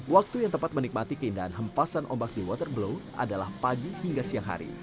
waktu yang tepat menikmati keindahan hempasan ombak di waterblow adalah pagi hingga siang hari